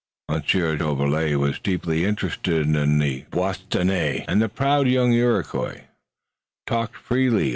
Monsieur Jolivet, who was deeply interested in the Bostonnais and the proud young Iroquois, talked freely.